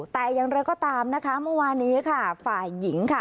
แต่อย่างไรก็ตามนะคะเมื่อวานี้ค่ะฝ่ายหญิงค่ะ